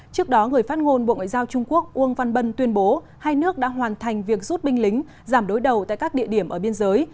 trước đó người phát ngôn bộ ngoại giao trung quốc uông văn bân tuyên bố hai nước đã hoàn thành việc rút binh lính giảm đối đầu tại các địa điểm ở biên giới